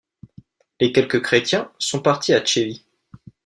Les quelques chrétiens sont partis à Tchevi.